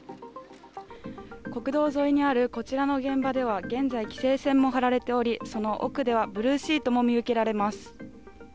国道沿いにあるこちらの現場では現在、規制線も張られておりその奥ではブルーシートも見受けられます。